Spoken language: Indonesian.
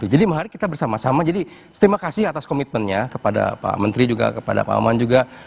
jadi mari kita bersama sama jadi terima kasih atas komitmennya kepada pak menteri juga kepada pak aman juga